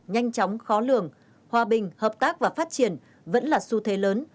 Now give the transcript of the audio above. nhanh chóng khó lường hòa bình hợp tác và phát triển vẫn là xu thế lớn